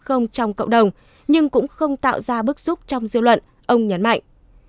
trong cộng đồng nhưng cũng không tạo ra bức xúc trong diêu luận ông nhấn mạnh